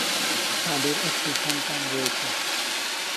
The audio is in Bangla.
তাদের একটি সন্তান রয়েছে।